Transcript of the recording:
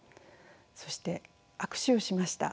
そして握手をしました。